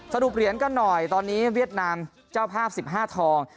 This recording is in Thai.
เหรียญกันหน่อยตอนนี้เวียดนามเจ้าภาพ๑๕ทอง